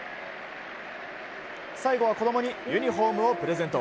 最後は、子供にユニホームをプレゼント。